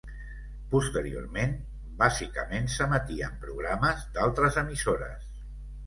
Posteriorment, bàsicament s'emetien programes d'altres emissores.